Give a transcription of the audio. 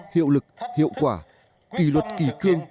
hiệu lực hiệu quả kỳ luật kỳ khuyên